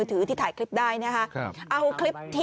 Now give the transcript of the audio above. แถมยังไม่ยอมกลับอ่ะ